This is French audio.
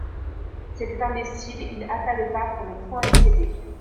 C’était imbécile, il hâta le pas pour ne point y céder.